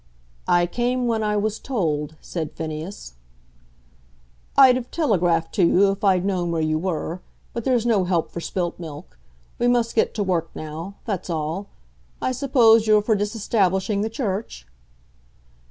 "I came when I was told," said Phineas. "I'd have telegraphed to you if I'd known where you were. But there's no help for spilt milk. We must get to work now, that's all. I suppose you're for disestablishing the Church?"